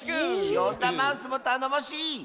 ヨンダマウスもたのもしい！